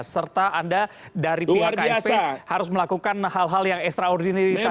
serta anda dari pihak ksp harus melakukan hal hal yang extraordinary